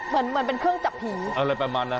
เหมือนเหมือนเป็นเครื่องจับผีอะไรประมาณนั้น